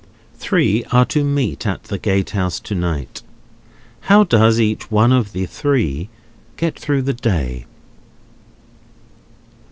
Three are to meet at the gatehouse to night. How does each one of the three get through the day?